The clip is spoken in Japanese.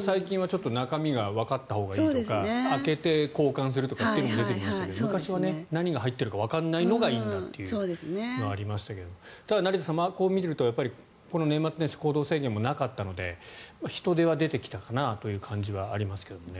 最近は中身がわかったほうがいいとか開けて交換するとかというのも増えてきましたけど昔は何が入ってるかわからないのがいいんだというのがありましたが成田さん、こう見るとこの年末年始行動制限もなかったので人出は出てきたかなという感じはありますけどね。